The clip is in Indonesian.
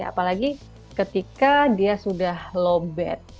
apalagi ketika dia sudah low bed